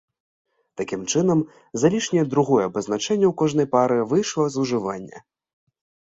Такім чынам, залішняе другое абазначэнне ў кожнай пары выйшла з ужывання.